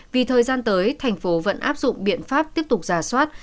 vì thời gian tới thành phố vẫn áp dụng biện pháp tiếp tục giả soát